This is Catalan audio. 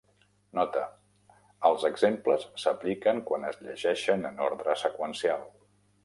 Nota: Els exemples s'apliquen quan es llegeixen en ordre seqüencial.